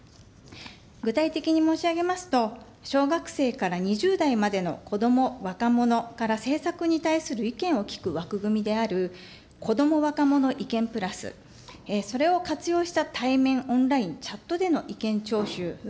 具体的に申し上げますと、小学生から２０代までの子ども・若者から政策に対する意見を聞く枠組みである子ども・若者意見プラス、それを活用した対面オンライン、Ｃｈａｔでの意見ちょう